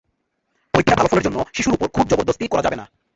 পরীক্ষায় ভালো ফলের জন্য শিশুর ওপর খুব জবরদস্তি করা যাবে না।